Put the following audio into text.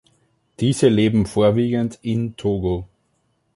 Diese leben vorwiegend in Togo.